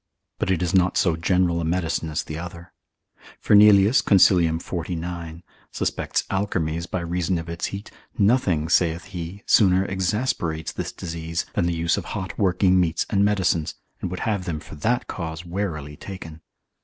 But it is not so general a medicine as the other. Fernelius, consil. 49, suspects alkermes, by reason of its heat, nothing (saith he) sooner exasperates this disease, than the use of hot working meats and medicines, and would have them for that cause warily taken.